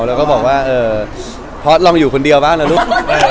แล้วก็บอกว่าเออพอลองอยู่คนเดียวบ้างนะลูก